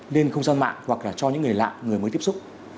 lên không gian mạng hoặc là cho những người lạ người mới tiếp xúc